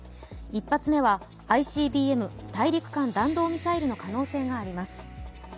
１発目はＩＣＢＭ＝大陸間弾道ミサイルの可能性があります。